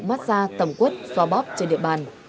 massage tầm quất xoa bóp trên địa bàn